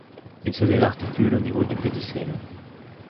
Ils se désarticulent au niveau du pédicelle.